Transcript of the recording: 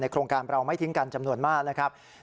โครงการเราไม่ทิ้งกันจำนวนมากนะครับ